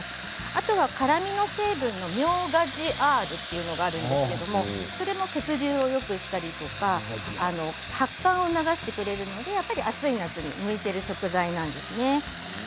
あとは辛みの成分のミョウガジアールというのがあるんですけれどこれも血流をよくしたりとか発汗を促してくれるので暑い夏に向いている食材なんですね。